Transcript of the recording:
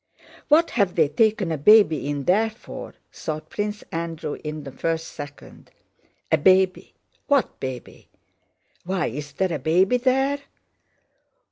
"What have they taken a baby in there for?" thought Prince Andrew in the first second. "A baby? What baby...? Why is there a baby there?